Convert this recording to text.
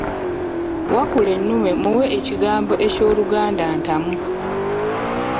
Wakulennume muwe ekigambo eky'Oluganda ntamu.